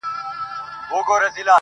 په دولت او مال یې ډېر وو نازولی,